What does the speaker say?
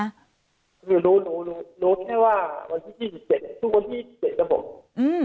รู้รู้แค่ว่าวันที่๒๗ทุกวันที่๒๗ครับผม